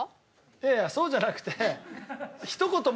いやいやそうじゃなくて。